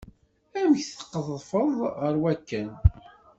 Amek tqedfeḍ ɣer wakken?